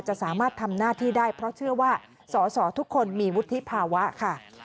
จะสามารถทำหน้าที่ได้เพราะเชื่อว่าสอสอทุกคนมีวุฒิภาวะค่ะ